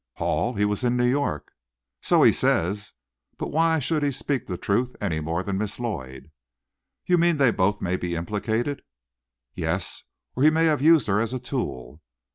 "Hall! He was in New York." "So he says, but why should he speak the truth any more than Miss Lloyd?" "You, mean they may both be implicated?" "Yes; or he may have used her as a tool."